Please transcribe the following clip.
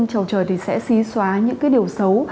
tro trời thì sẽ xí xóa những cái điều xấu